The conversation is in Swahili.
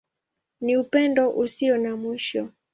Ni Upendo Usio na Mwisho.